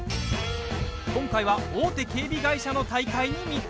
今回は大手警備会社の大会に密着。